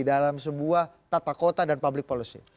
dalam sebuah tata kota dan public policy